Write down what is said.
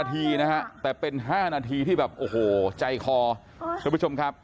แต่เป็น๕นัฐีครับอย่างใจกอ